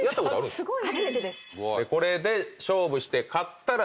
すごい！